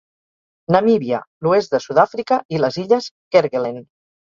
Namíbia, l'oest de Sud-àfrica i les illes Kerguelen.